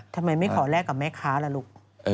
ทำไมไม่ขอแลกกับแม่ค้าล่ะลูก